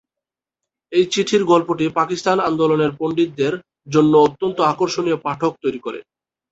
এই চিঠির গল্পটি পাকিস্তান আন্দোলনের পণ্ডিতদের জন্য অত্যন্ত আকর্ষণীয় পাঠক তৈরি করে।